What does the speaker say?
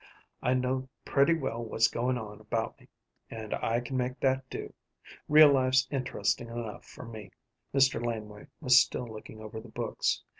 I know pretty well what's goin' on about me, and I can make that do. Real life's interestin' enough for me." Mr. Laneway was still looking over the books.